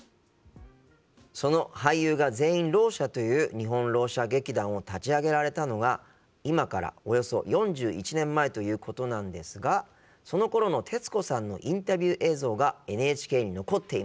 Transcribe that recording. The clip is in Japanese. その俳優が全員ろう者という日本ろう者劇団を立ち上げられたのが今からおよそ４１年前ということなんですがそのころの徹子さんのインタビュー映像がＮＨＫに残っていました。